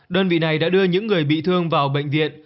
đơn vị này đã đưa những người bị thương vào bệnh viện